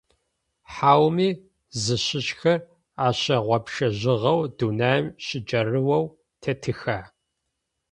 Хьауми зыщыщхэр ащыгъупшэжьыгъэу дунаим щыджэрыоу тетыха?